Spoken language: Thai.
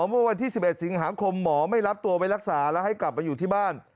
เมื่อวันที่๑๑สิงหาคมหมอไม่รับตัวไปรักษาแล้วให้กลับมาอยู่ที่บ้าน